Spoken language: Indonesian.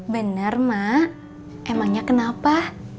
bener mak emangnya kenapa